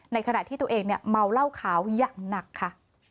ขณะที่ตัวเองเมาเหล้าขาวอย่างหนักค่ะ